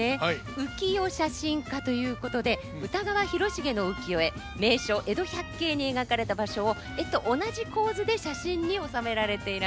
浮世写真家ということで歌川広重の浮世絵「名所江戸百景」に描かれた場所を絵と同じ構図で写真に収められていらっしゃるんです。